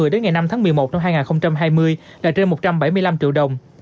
đến ngày năm tháng một mươi một năm hai nghìn hai mươi là trên một trăm bảy mươi năm triệu đồng